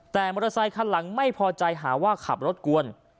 แต่มอเตอร์ไซคันหลังไม่พอใจหาว่าขับรถกวน